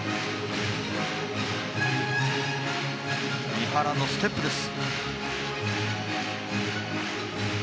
三原のステップです。